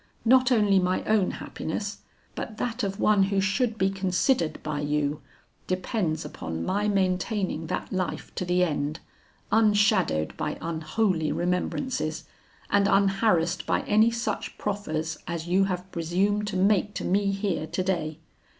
Not only my own happiness, but that of one who should be considered by you, depends upon my maintaining that life to the end, unshadowed by unholy remembrances, and unharrassed by any such proffers as you have presumed to make to me here to day.